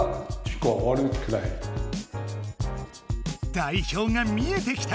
代表が見えてきた。